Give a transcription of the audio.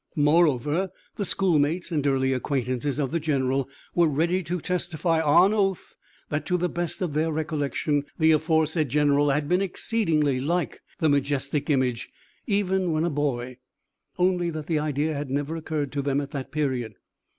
Moreover the schoolmates and early acquaintances of the general were ready to testify, on oath, that, to the best of their recollection, the aforesaid general had been exceedingly like the majestic image, even when a boy, only that the idea had never occurred to them at that period.